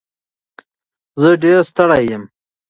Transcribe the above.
زه ډېر ستړی یم.